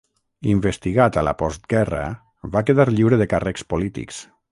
Investigat a la postguerra, va quedar lliure de càrrecs polítics.